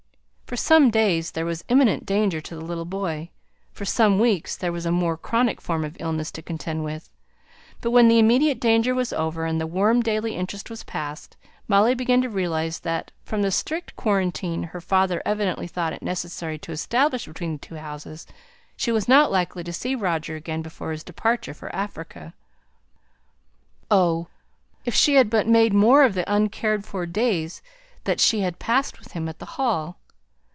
For some days there was imminent danger to the little boy; for some weeks there was a more chronic form of illness to contend with; but when the immediate danger was over and the warm daily interest was past, Molly began to realize that, from the strict quarantine her father evidently thought it necessary to establish between the two houses, she was not likely to see Roger again before his departure for Africa. Oh! if she had but made more of the uncared for days that she had passed with him at the Hall!